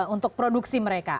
untuk produksi mereka